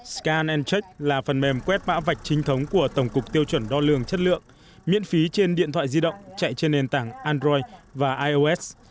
scant là phần mềm quét mã vạch trinh thống của tổng cục tiêu chuẩn đo lường chất lượng miễn phí trên điện thoại di động chạy trên nền tảng android và ios